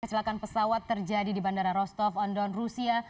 kecelakaan pesawat terjadi di bandara rostov on don rusia